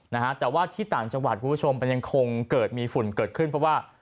นะฮะแต่ว่าที่ต่างจังหวัดคุณผู้ชมมันยังคงเกิดมีฝุ่นเกิดขึ้นเพราะว่า